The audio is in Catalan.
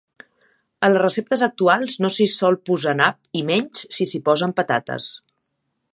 En les receptes actuals no s'hi sol posar nap i menys, si s'hi posen patates.